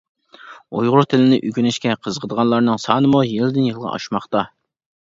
ئۇيغۇر تىلىنى ئۆگىنىشكە قىزىقىدىغانلارنىڭ سانىمۇ يىلدىن يىلغا ئاشماقتا.